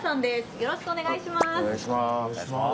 よろしくお願いします！